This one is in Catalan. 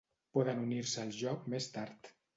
Poden unir-se al joc més tard.